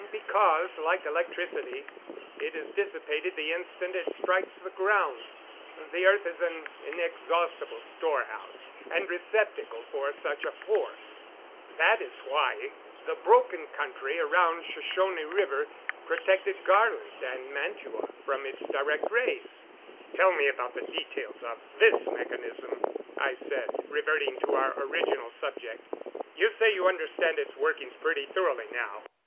"Because, like electricity, it is dissipated the instant it strikes the ground. The earth is an inexhaustible storehouse and receptacle for such a force. That is why the broken country around the Shoshone River protected Garland and Mantua from its direct rays." "Tell me about the details of this mechanism," I said, reverting to our original subject. "You say you understand its workings pretty thoroughly now."